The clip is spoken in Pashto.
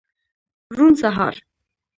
روڼ سهار